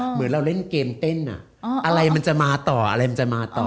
เหมือนเราเล่นเกมเต้นอะไรมันจะมาต่ออะไรมันจะมาต่อ